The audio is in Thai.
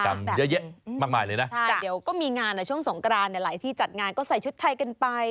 แต่เดี๋ยวก็มีงานนะช่วงสงกราณหลายที่จัดงานใส่ชุดไทยกันไป